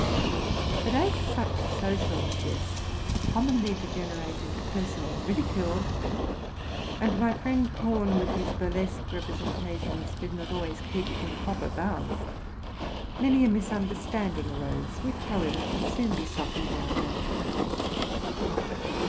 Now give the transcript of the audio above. But as such social jests commonly degenerate into personal ridicule, and my friend Horn, with his burlesque representations, did not always keep within proper bounds, many a misunderstanding arose, which, how ever, could soon be softened down and effaced.